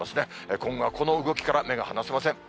今後はこの動きから目が離せません。